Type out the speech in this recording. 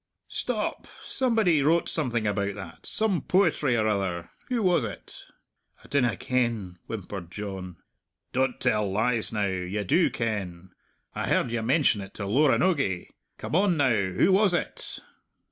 Stop! Somebody wrote something about that some poetry or other. Who was it?" "I dinna ken," whimpered John. "Don't tell lies now. You do ken. I heard you mention it to Loranogie. Come on now who was it?"